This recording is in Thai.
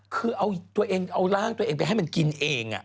คือเอาร่างตัวเองไปให้มันกินเอง